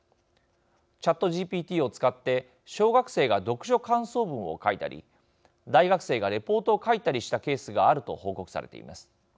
ＣｈａｔＧＰＴを使って小学生が読書感想文を書いたり大学生がレポートを書いたりしたケースがあると報告されています。